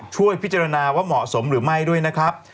ช่วยพิจารณาว่าเหมาะสมหรือไม่ด้วยนะครับ